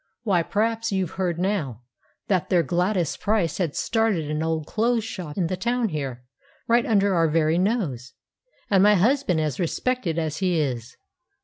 Why, p'raps you've heard how that there Gladys Price has started an ole clothes shop in the town here, right under our very nose, and my husband as respected as he is.